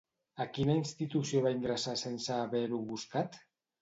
A quina institució va ingressar sense haver-ho buscat?